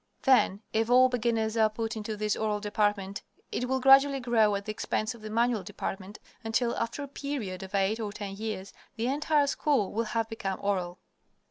Then if all beginners are put into this oral department it will gradually grow at the expense of the manual department, until, after a period of eight or ten years, the entire school will have become oral.